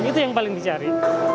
itu yang paling dicari